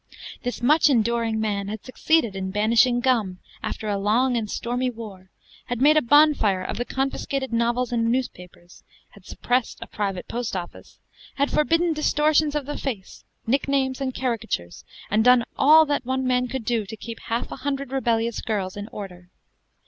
This much enduring man had succeeded in banishing gum after a long and stormy war, had made a bonfire of the confiscated novels and newspapers, had suppressed a private post office, had forbidden distortions of the face, nicknames, and caricatures, and done all that one man could do to keep half a hundred rebellious girls in order.